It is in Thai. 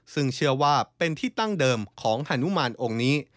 ซึ่งเชื่อว่าเป็นที่ตั้งเดิมของฮานุมานองค์นี้